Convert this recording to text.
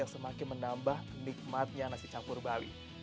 yang semakin menambah nikmatnya nasi campur bali